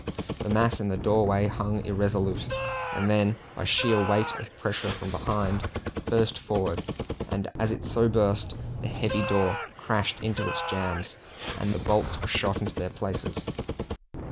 The mass in the doorway hung irresolute, and then by sheer weight of pressure from behind burst forward, and as it so burst, the heavy door crashed into its jambs, and the bolts were shot into their places.